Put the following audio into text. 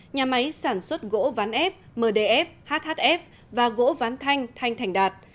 nhà máy sản xuất gỗ ván ép mdf hhf và gỗ ván thanh thanh thành đạt